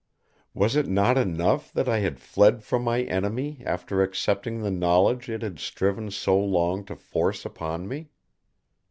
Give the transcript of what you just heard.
Was it not enough that I had fled from my enemy after accepting the knowledge It had striven so long to force upon me?